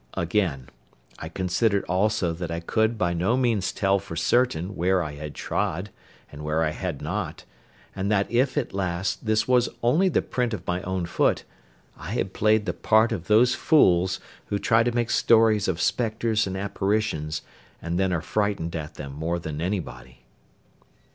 Again, I considered also that I could by no means tell for certain where I had trod, and where I had not; and that if, at last, this was only the print of my own foot, I had played the part of those fools who try to make stories of spectres and apparitions, and then are frightened at them more than anybody.